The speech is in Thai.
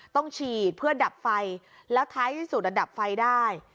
ต้องฉีดเพื่อดับไฟแล้วท้ายที่สุดดับไฟได้